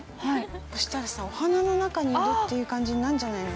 そしたら、お花の中にいるという感じになるんじゃないの。